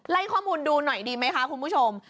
ข้อมูลดูหน่อยดีไหมคะคุณผู้ชม